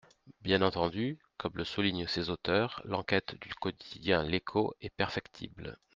Bien entendu, comme le soulignent ses auteurs, l’enquête du quotidien L’Écho est perfectible.